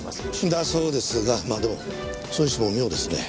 だそうですがまあでもそれにしても妙ですね。